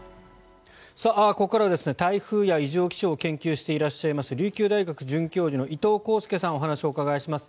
ここからは台風や異常気象を研究していらっしゃいます琉球大学准教授の伊藤耕介さんにお話をお伺いします。